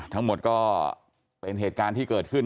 ทั้งหมดก็เป็นเหตุการณ์ที่เกิดขึ้น